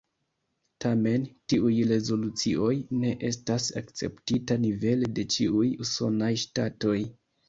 Tamen tiuj rezolucioj ne estas akceptita nivele de ĉiuj usonaj ŝtatoj.